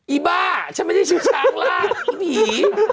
อีบ้าฉันไม่ได้ชื่อช้างล่าอีผี